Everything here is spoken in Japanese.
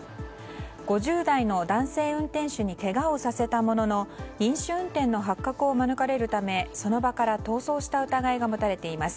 ５０代の男性運転手にけがをさせたものの飲酒運転の発覚を免れるためその場から逃走した疑いが持たれています。